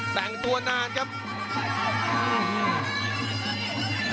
แต่งตัวนานครับ